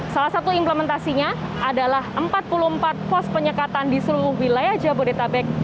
salah satu implementasinya adalah empat puluh empat pos penyekatan di seluruh wilayah jabodetabek